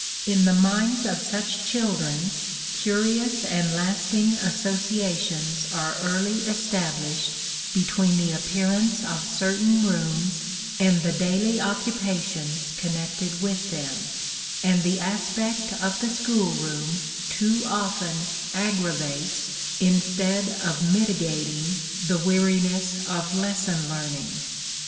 In the minds of such children, curious and lasting associations are early established between the appearance of certain rooms and the daily occupations connected with them; and the aspect of the school room too often aggravates instead of mitigating the weariness of lesson learning.